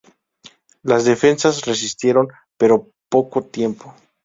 Las defensas resistieron, pero poco tiempo.